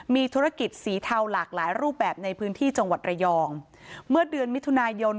มีธุรกิจสีเทาหลากหลายรูปแบบในพื้นที่จังหวัดระยองเมื่อเดือนมิถุนายน